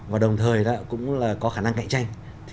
và đồng thời cũng có khả năng cạnh tranh